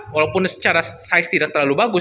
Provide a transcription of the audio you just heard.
walaupun secara size tidak terlalu bagus